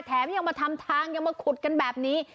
แถมยังมาทำทางยังมาขุดกันแบบนี้